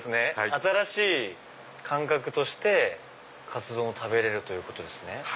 新しい感覚としてカツ丼を食べれるということですね。